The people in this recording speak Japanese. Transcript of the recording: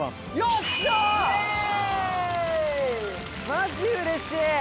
マジうれしい！